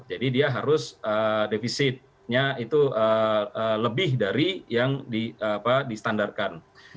jadi dia harus defisitnya itu lebih dari yang di standarkan